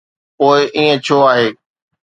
پوءِ ائين ڇو آهي؟